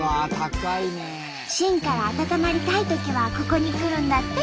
しんから温まりたいときはここに来るんだって。